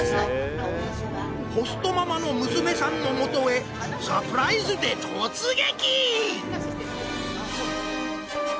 ホストママの娘さんのもとへサプライズで突撃！